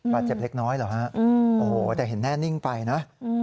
บาดเจ็บเล็กน้อยเหรอฮะโอ้โหแต่เห็นแน่นิ่งไปนะ